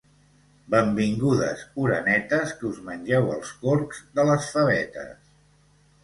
Benvingudes, orenetes, que us mengeu els corcs de les favetes.